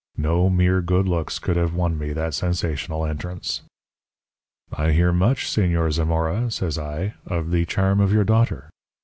No mere good looks could have won me that sensational entrance. "'I hear much, Señor Zamora,' says I, 'of the charm of your daughter.